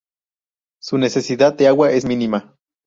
Su necesidad de agua es mínima.